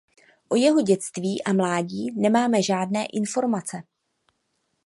O jeho dětství a mládí nemáme žádné informace.